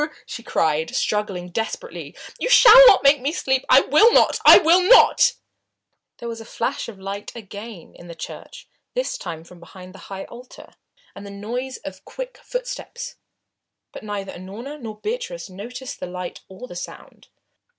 she cried, struggling desperately. "You shall not make me sleep. I will not I will not!" There was a flash of light again in the church, this time from behind the high altar, and the noise of quick footsteps. But neither Unorna nor Beatrice noticed the light or the sound.